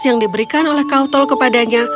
yang diberikan oleh kau tol kepadanya